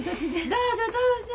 どうぞどうぞ！